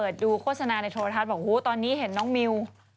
ดูโฆษณาในโทรทัศน์บอกหูตอนนี้เห็นน้องมิว